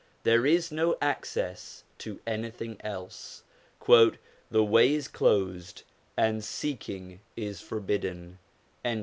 There is no access to anything else :' the way is closed, and seeking is forbidden.'